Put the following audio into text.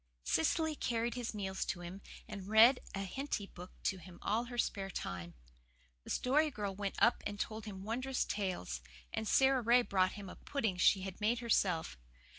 Cecily carried his meals to him, and read a Henty book to him all her spare time. The Story Girl went up and told him wondrous tales; and Sara Ray brought him a pudding she had made herself.